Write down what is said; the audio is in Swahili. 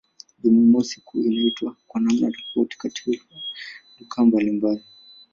Jumamosi kuu inaitwa kwa namna tofauti katika lugha mbalimbali.